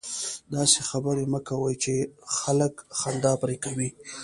داسي خبري مه کوئ! چي خلک خندا پر کوي.